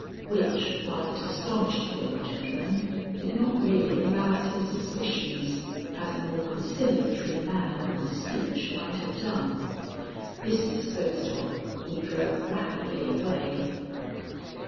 Which, while it astonished the old gentleman, did not really arouse his suspicions, as a more conciliatory manner and speech might have done. This disposed of, we drove rapidly away.